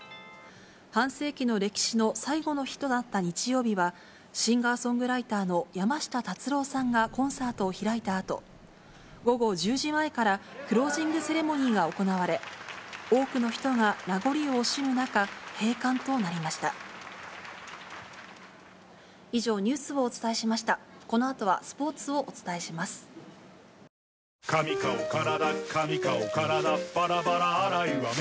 半世紀の歴史の最後の日となった日曜日は、シンガーソングライターの山下達郎さんがコンサートを開いたあと、午後１０時前からクロージングセレモニーが行われ、多くの人が名「髪顔体髪顔体バラバラ洗いは面倒だ」